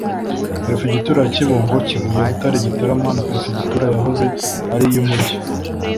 Perefegitura ya Kibungo Kibuye Butare Gitarama na Perefegitura yahoze ari iy’Umujyi